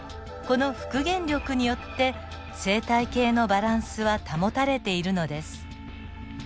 この復元力によって生態系のバランスは保たれているのです。